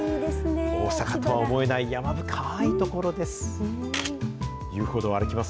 大阪とは思えない山深い所です。